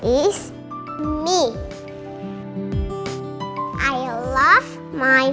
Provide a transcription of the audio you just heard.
ini keluarga gua